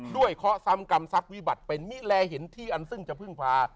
เคาะซ้ำกรรมทรัพย์วิบัติเป็นมิแลเห็นที่อันซึ่งจะพึ่งพา